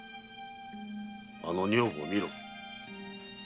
あの女房を見ろ。